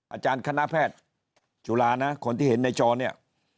อาจารย์คณะแพทย์จุฬานะคนที่เห็นในจอเนี่ย